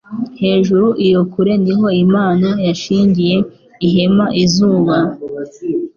Hejuru iyo kure ni ho Imana yashingiye ihema izuba